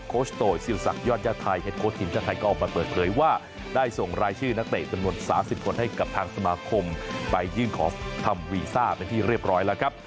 ชโตยศิริษักยอดญาติไทยเฮ็ดโค้ชทีมชาติไทยก็ออกมาเปิดเผยว่าได้ส่งรายชื่อนักเตะจำนวน๓๐คนให้กับทางสมาคมไปยื่นขอทำวีซ่าเป็นที่เรียบร้อยแล้วครับ